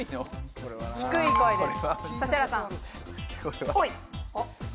低い声です。